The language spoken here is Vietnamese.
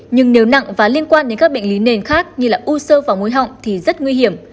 nhưng nếu nặng và liên quan đến các bệnh lý nền khác như là u sơ và mũi họng thì rất nguy hiểm